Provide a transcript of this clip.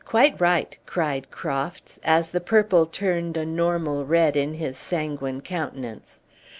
Quite right!" cried Crofts, as the purple turned a normal red in his sanguine countenance.